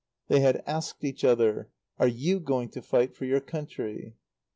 They had asked each other: "Are you going to fight for your country?"